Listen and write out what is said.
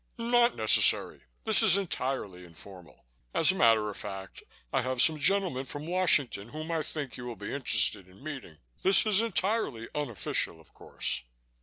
"Not necessary. This is entirely informal. As a matter of fact, I have some gentlemen from Washington whom I think you will be interested in meeting. This is entirely unofficial, of course."